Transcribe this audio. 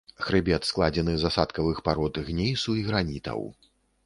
Хрыбет складзены з асадкавых парод, гнейсу і гранітаў.